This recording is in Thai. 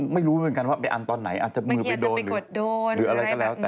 ไม่รู้เหมือนกันว่าไปอันตอนไหนอาจจะมือไปโดนหรือโดนหรืออะไรก็แล้วแต่